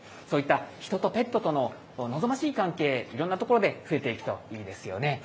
そういった人とペットとの望ましい関係、いろんな所で増えていくといいですよね。